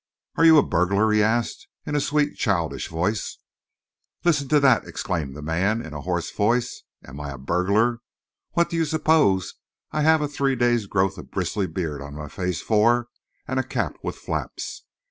"Are you a burglar?" he asked, in a sweet, childish voice. "Listen to that," exclaimed the man, in a hoarse voice. "Am I a burglar? Wot do you suppose I have a three days' growth of bristly beard on my face for, and a cap with flaps?